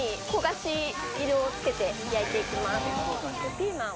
ピーマン？